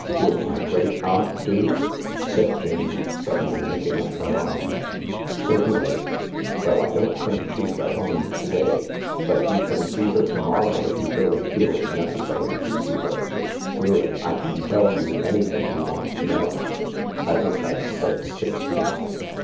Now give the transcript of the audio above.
" Would my great aunt do ?" said Jane, suddenly making up her mind. "Certainly." " Well, I don't think she's at home to day, but you can THE LARK see her to morrow if you really feel it's necessary to see her. Really, I can tell you anything you want to know. (I wish I'd said six guineas.